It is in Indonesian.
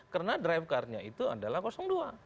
karena drive car nya itu adalah kosong dua